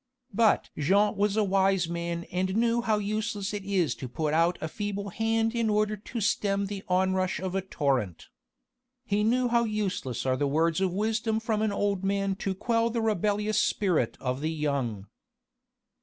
But Jean was a wise man and knew how useless it is to put out a feeble hand in order to stem the onrush of a torrent. He knew how useless are the words of wisdom from an old man to quell the rebellious spirit of the young.